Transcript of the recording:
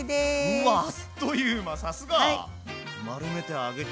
うわあっという間さすが！